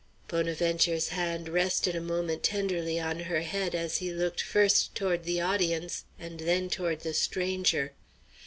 Bonaventure's hand rested a moment tenderly on her head as he looked first toward the audience and then toward the stranger.